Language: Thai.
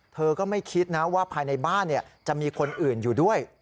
เธอก็ไม่คิดนะว่าภายในบ้านจะมีคนอื่นอยู่ด้วย